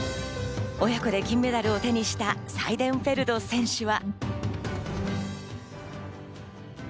親子で金メダルを手にしたサイデンフェルド選手は。